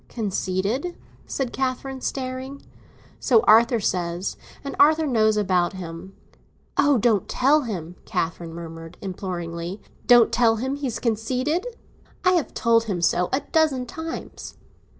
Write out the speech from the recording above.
"Conceited?" said Catherine, staring. "So Arthur says, and Arthur knows about him." "Oh, don't tell him!" Catherine murmured imploringly. "Don't tell him he's conceited? I have told him so a dozen times."